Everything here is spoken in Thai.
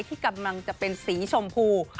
ที่กำลังจะเป็นสีชมพู